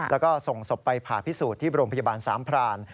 แล้วก็ส่งศพไปผ่าพิสูจน์ที่โรงพยาบาลสามพราน